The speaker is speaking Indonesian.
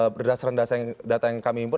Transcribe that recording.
berdasar rendah data yang kami impor